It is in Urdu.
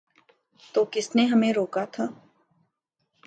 تو کس نے ہمیں روکا تھا؟